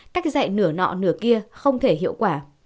cách dạy nửa nọ nửa kia không thể hiệu quả